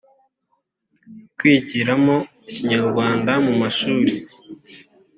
kwigiramo ikinyarwanda mu mashuri